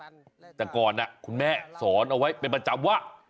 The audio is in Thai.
แต่ก่อนคุณแม่สอนเอาไว้เป็นประจำว่า